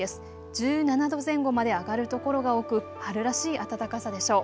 １７度前後まで上がる所が多く春らしい暖かさでしょう。